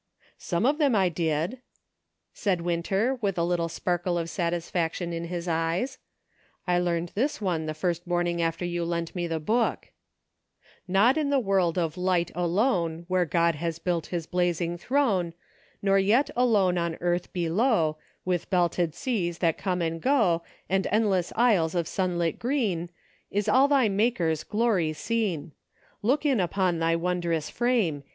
" Some of them I did," said Winter, with a little sparkle of satisfaction in his eyes ;" I learned this one the first morning after you lent me the book: Not in the world of light alone, Where God has built his blazing throne, Nor yet alone on earth below, With belted seas that come and go, And endless isles of sunlit green, Is all thy Maker's glory seen — Look in upon thy wondrous frame.